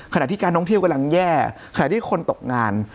ขณะที่การท่องเที่ยวกำลังแย่ขณะที่คนตกงาน